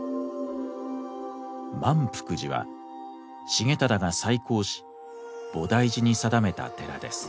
満福寺は重忠が再興し菩提寺に定めた寺です。